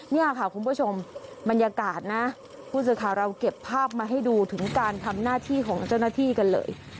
นี่ค่ะคุณผู้ชมบรรยากาศนะผู้สื่อข่าวเราเก็บภาพมาให้ดูถึงการทำหน้าที่ของเจ้าหน้าที่กันเลย